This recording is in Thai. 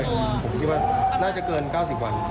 ผมคิดว่าน่าจะเกิน๙๐วัน